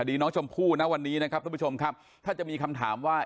ดีน้องชมพู่นะวันนี้นะครับทุกผู้ชมครับถ้าจะมีคำถามว่า